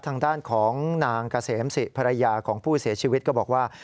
ทางด้านของนางเกษมศิภรรยาของผู้เสียชีวิตก็บอกว่า